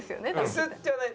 ミスってはない。